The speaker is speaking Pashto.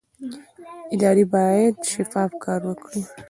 ادارې باید شفاف کار وکړي